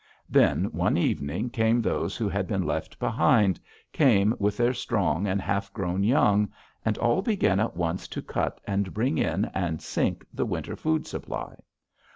Then, one evening, came those who had been left behind, came with their strong and half grown young, and all began at once to cut and bring in and sink the winter food supply.